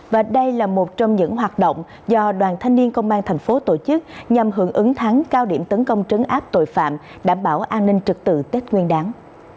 và đây là một trong những hoạt động do đoàn thanh niên công an thành phố tổ chức nhằm hưởng ứng tháng cao điểm tấn công trấn áp tội phạm đảm bảo an ninh trực tự tết nguyên đáng